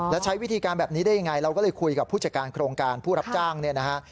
แล้วใช้วิธีการแบบนี้ได้ยังไงเราก็เลยคุยกับผู้จัดการโครงการผู้รับจ้างเนี่ยนะฮะ